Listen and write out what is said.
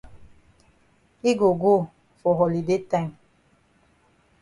Yi go go for holiday time.